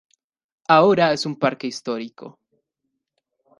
Ahora es un parque histórico.